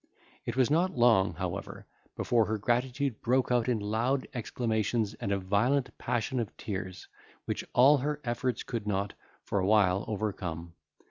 It was not long, however, before her gratitude broke out in loud exclamations and a violent passion of tears, which all her efforts could not, for a while, overcome.